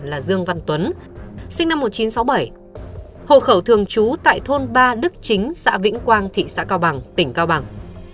là dương văn tuấn sinh năm một nghìn chín trăm sáu mươi bảy hộ khẩu thường trú tại thôn ba đức chính xã vĩnh quang thị xã cao bằng tỉnh cao bằng